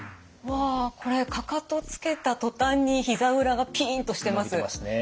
わこれかかとつけた途端にひざ裏がピンとしてます。